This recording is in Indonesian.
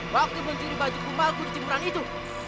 waktu mencuri baju kumalku di cimburan itu